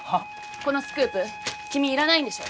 このスクープ君いらないんでしょ？